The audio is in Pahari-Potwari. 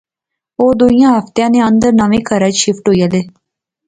اوہ دو ہفتیاں نے اندر نویں کہراچ شفٹ ہوئی الے